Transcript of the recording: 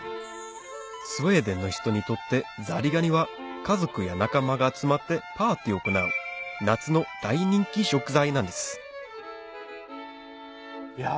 スウェーデンの人にとってザリガニは家族や仲間が集まってパーティーを行う夏の大人気食材なんですいや